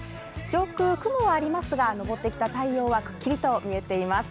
上空、雲はありますが昇ってきた太陽はくっきりと見えています。